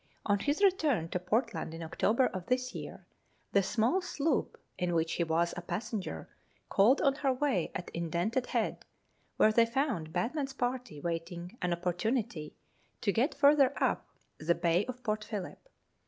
On his return to Port land in October of this year, the small sloop in which he was a passenger called on her way at Indented Head, where they found Batman's party waiting an opportunity to get further up the Bay of Port Phillip.